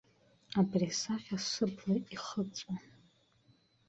Абри асахьа сыбла ихыҵуам.